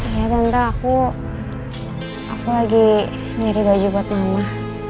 ya tante aku lagi nyari baju buat mama